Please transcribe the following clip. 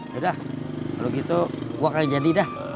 yaudah kalau gitu gue kayak jadi dah